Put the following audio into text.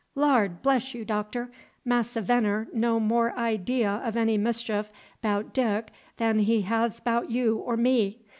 "Lar' bless you, Doctor, Massa Veneer no more idee 'f any mischief 'bout Dick than he has 'bout you or me.